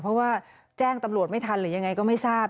เพราะว่าแจ้งตำรวจไม่ทันหรือยังไงก็ไม่ทราบ